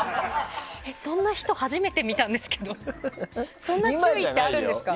そんな人初めて見たんですけどそんな注意ってあるんですか？